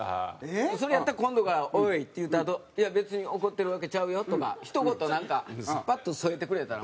それやったら今度から「おい！」って言うたあと「いや別に怒ってるわけちゃうよ」とかひと言なんかパッと添えてくれたら。